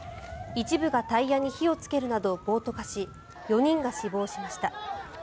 一部がタイヤに火をつけるなど暴徒化し４人が死亡しました。